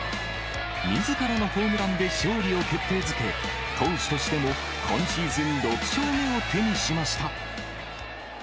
みずからのホームランで勝利を決定づけ、投手としても今シーズン６勝目を手にしました。